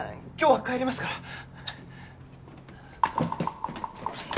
今日は帰りますから。